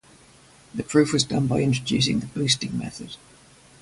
The proof was done by introducing the boosting method.